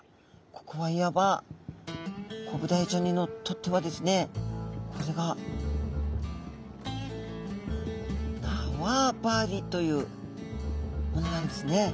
ここはいわばコブダイちゃんにとってはですねこれが縄張りというものなんですね。